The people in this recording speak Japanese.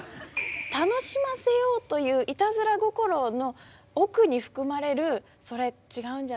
楽しませようというイタズラ心の奥に含まれる「それ違うんじゃないの？」っていう気持ち。